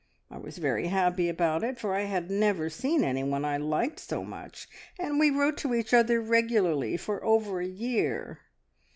I was very happy about it, for I had never seen anyone I liked so much, and we wrote to each other regularly for over a year.